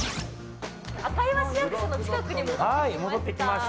赤磐市役所の近くに戻ってきました。